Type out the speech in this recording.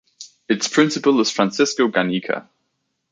Its principal is Francisco Garnica.